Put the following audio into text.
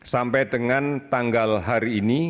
sampai dengan tanggal hari ini